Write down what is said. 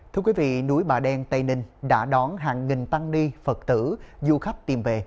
thưa quý vị núi bà đen tây ninh đã đón hàng nghìn tăng ni phật tử du khách tìm về